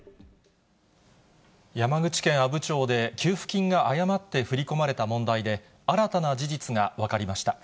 山口県阿武町で、給付金が誤って振り込まれた問題で、新たな事実が分かりました。